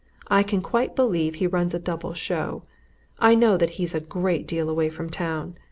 I can quite believe he runs a double show. I know that he's a great deal away from town.